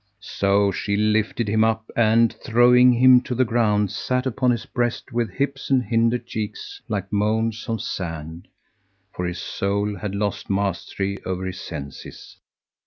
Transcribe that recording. So she lifted him up and, throwing him to the ground, sat upon his breast with hips and hinder cheeks like mounds of sand, for his soul had lost mastery over his senses.